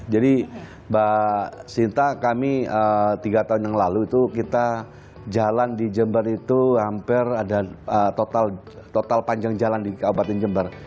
jadi mbak sinta kami tiga tahun yang lalu itu kita jalan di jember itu hampir ada total panjang jalan di kabupaten jember